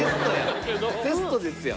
テストですやん。